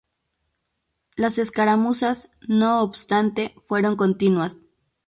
Las escaramuzas, no obstante, fueron continuas.